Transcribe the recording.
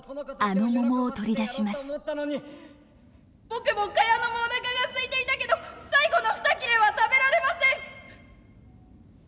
僕もカヤノもおなかがすいていたけど最後の二切れは食べられません。